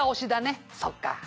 「そっか。